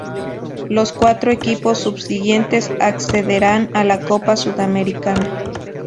Los cuatro equipos subsiguientes accederán a la Copa Sudamericana.